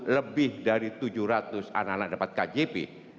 lebih dari tujuh ratus anak anak dapat kjp